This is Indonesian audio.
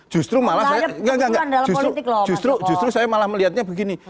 justru malah justru saya malah melihatnya begini